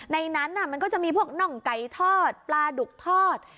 ในนั้นมันก็จะมีพวกน่องไก่ทอดปลาดุกทอด